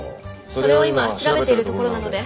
それを今調べてるところなので。